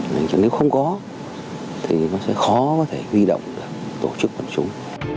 nên nếu không có thì nó sẽ khó có thể huy động tổ chức bản chúng